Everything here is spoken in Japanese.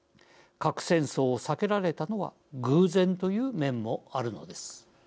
核戦争を避けられたのは偶然という面もあるのです。